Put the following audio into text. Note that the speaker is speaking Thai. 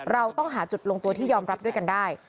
เราต้องหาจุดลงตัวที่ยอมรับด้วยกันได้